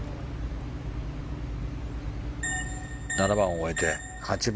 ７番を終えて、８番。